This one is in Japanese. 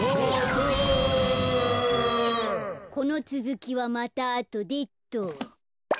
このつづきはまたあとでっと。